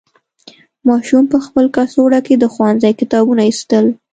ماشوم په خپل کڅوړه کې د ښوونځي کتابونه ایستل.